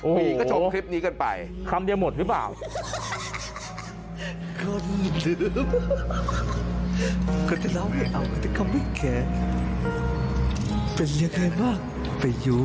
มีก็ชมคลิปนี้กันไป